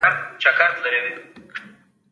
دا د سر لیویس پیلي سره د خبرو لپاره وو.